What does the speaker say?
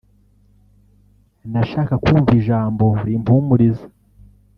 nashaka kumva ijambo rimpumuriza